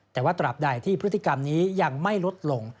แต่ว่าตราบใดที่พฤติกรรมนี้ยังไม่ลดลง